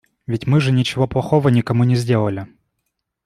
Ведь мы же ничего плохого никому не сделали.